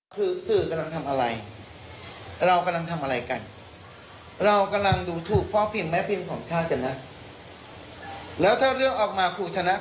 คือสื่อกำลังทำอะไรเรากำลังทำอะไรกัน